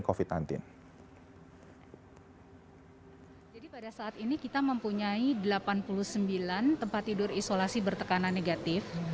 jadi pada saat ini kita mempunyai delapan puluh sembilan tempat tidur isolasi bertekanan negatif